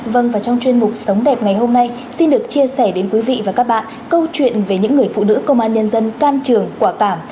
vâng và trong chuyên mục sống đẹp ngày hôm nay xin được chia sẻ đến quý vị và các bạn câu chuyện về những người phụ nữ công an nhân dân can trường quả cảm